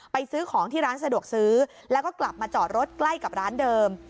ซื้อของที่ร้านสะดวกซื้อแล้วก็กลับมาจอดรถใกล้กับร้านเดิม